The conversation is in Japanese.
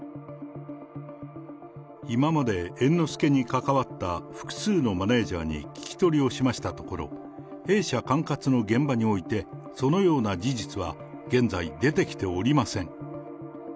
今まで猿之助に関わった複数のマネージャーに聞き取りをしましたところ、弊社管轄の現場において、そのような事実は現在、出てきておりま